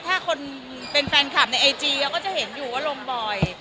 ถ้าคนเป็นแฟนคลับในไอจีเขาก็จะเห็นอยู่ว่าลงบ่อย